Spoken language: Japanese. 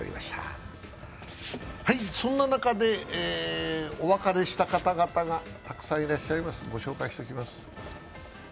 そんな中で、お別れした方々がたくさんいらっしゃいます。